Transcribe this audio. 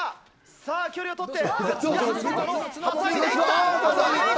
さあ、距離を取って。